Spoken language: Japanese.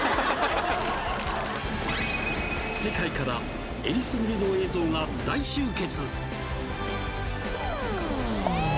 世界から選りすぐりの映像が大集結。